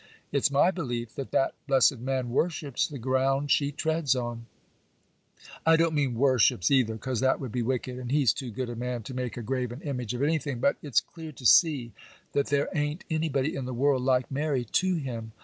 It's my belief that that blessed man worships the ground she treads on. I don't mean worships, either, 'cause that would be wicked, and he's too good a man to make a graven image of anything; but it's clear to see that there a'n't anybody in the world like Mary to him.